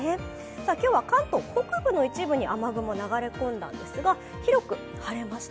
今日は関東北部の一部に雨雲、流れ込んだんですが、広く晴れました。